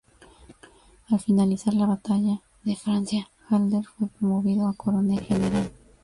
Al finalizar la batalla de Francia, Halder fue promovido a Coronel General.